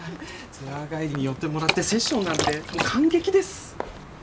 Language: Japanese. ツアー帰りに寄ってもらってセッションなんて感激です。